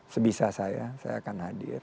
sebisa saya saya akan hadir